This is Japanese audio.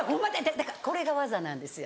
だからこれが技なんですよ。